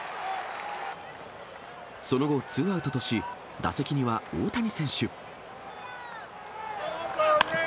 その後、ツーアウトとし、打席には大谷選手。